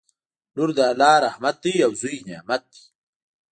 لور د الله رحمت دی او زوی نعمت دی